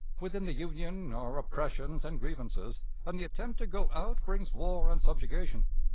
Within the Union are oppressions and grievances; and the attempt to go out brings war and subjugation.